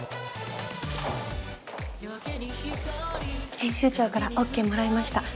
編集長からＯＫもらえました。